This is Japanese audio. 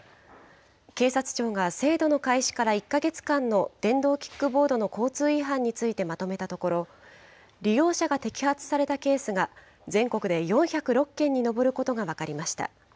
警察庁が制度の開始から１か月間の電動キックボードの交通違反についてまとめたところ、利用者が摘発されたケースが、全国で４０６件に上ることが分かりました。